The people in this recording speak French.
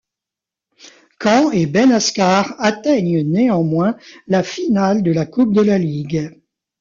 Caen et Ben Askar atteignent néanmoins la finale de la Coupe de la Ligue.